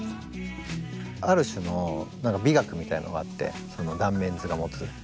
ある種のなんか美学みたいのがあってその断面図が持つ。